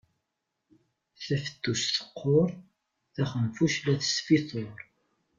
Tafettust teqqur. Taqemmuct la tesfituṛ.